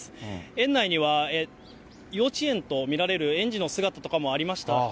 園内には幼稚園と見られる園児の姿とかもありました。